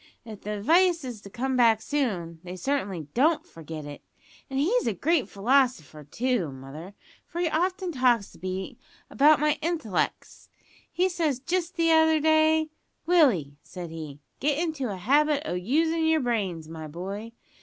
If the advice is to come back soon they certainly don't forget it! And he's a great philosopher, too, mother, for he often talks to me about my int'lec's. He said jist t'other day, `Willie,' said he, `get into a habit o' usin' yer brains, my boy.